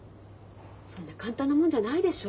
そんな簡単なもんじゃないでしょ？